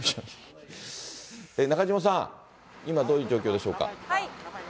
中島さん、今、どういう状況でしょうか。